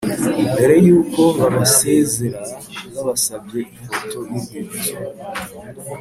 mbere yuko babasezera babasabye ifoto yurwibutso